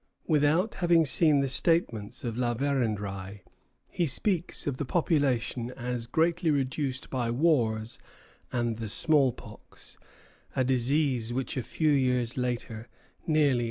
Without having seen the statements of La Vérendrye, he speaks of the population as greatly reduced by wars and the small pox, a disease which a few years later nearly exterminated the tribe.